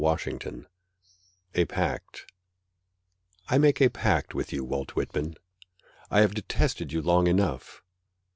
Ezra Pound A Pact I MAKE a pact with you, Walt Whitman I have detested you long enough.